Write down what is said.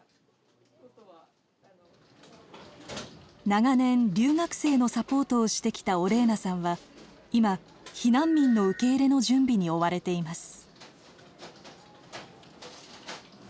長年留学生のサポートをしてきたオレーナさんは今避難民の受け入れの準備に追われています。